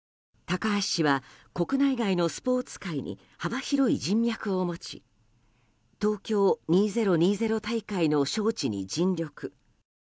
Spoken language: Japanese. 高橋氏は国内外のスポーツ界に幅広い人脈を持ち東京２０２０大会の招致に尽力。